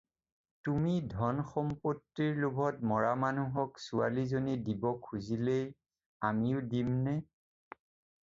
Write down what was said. তুমি ধনৰ-সম্পত্তিৰ লোভত মৰা মানুহক ছোৱালীজনী দিব খুজিলেই আমিও দিমনে!